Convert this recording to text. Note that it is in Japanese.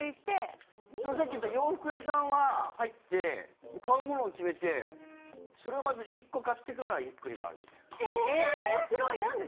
でもさっき言った洋服屋さんは入って買うもの決めてそれをまず一個買ってからゆっくり回るみたいな。